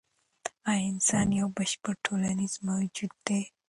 ایا انسان یو بشپړ ټولنیز موجود دی؟